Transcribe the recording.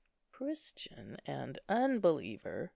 "Christian and unbeliever!"